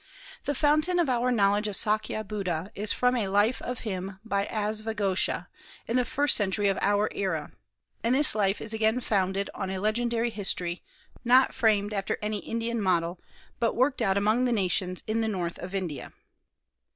The foundation of our knowledge of Sâkya Buddha is from a Life of him by Asvaghosha, in the first century of our era; and this life is again founded on a legendary history, not framed after any Indian model, but worked out among the nations in the north of India.